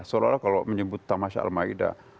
seolah olah kalau menyebut tamasha al maida